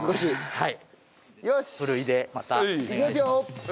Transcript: はい。